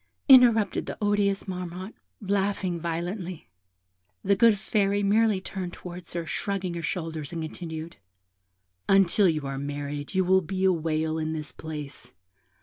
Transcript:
interrupted the odious Marmotte, laughing violently. The good Fairy merely turned towards her, shrugging her shoulders, and continued 'Until you are married you will be a whale in this place.